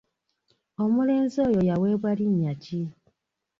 Omulenzi oyo yaweebwa linnya ki ?